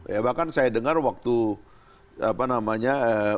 ya bahkan saya dengar waktu apa namanya